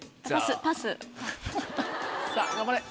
さぁ頑張れ。